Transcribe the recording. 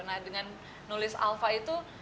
nah dengan nulis alfa itu